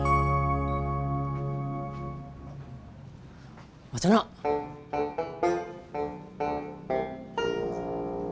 ada apa sampai noise